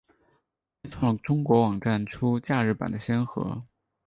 开创了中国网站出假日版的先河。